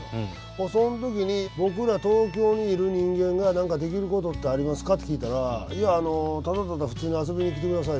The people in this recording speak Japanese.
その時に僕ら東京にいる人間が何かできることってありますか？って聞いたらいやあのただただ普通に遊びに来てください。